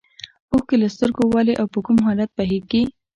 اوښکې له سترګو ولې او په کوم حالت کې بهیږي.